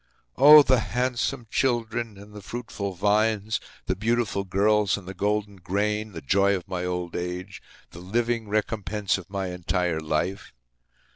Oh! the handsome children and the fruitful vines, the beautiful girls and the golden grain, the joy of my old age, the living recompense of my entire life!